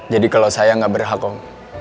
jadi kalau saya gak berhak om